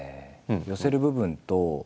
寄せる部分と。